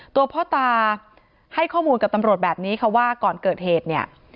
ตัวพ่อตาให้ข้อมูลกับตำรวจแบบนี้ค่ะว่าก่อนเกิดเหตุเนี่ย